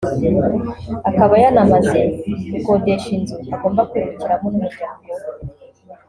akaba yanamaze gukodesha inzu agomba kwimukiramo n'umuryango we